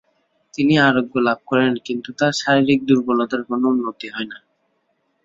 তিনি আরোগ্যলাভ করেন কিন্তু তার শারীরিক দুর্বলতার কোন উন্নতি হয়না।